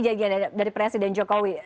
jadinya dari presiden jokowi